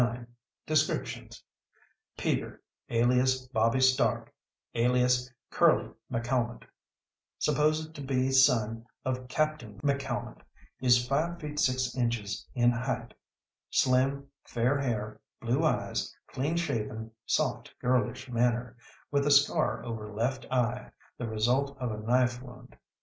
Descriptions: "Peter, alias Bobby Stark, alias Curly McCalmont, supposed to be son of Captain McCalmont, is five feet six inches in height, slim, fair hair, blue eyes, clean shaven, soft girlish manner, with a scar over left eye, the result of a knife wound.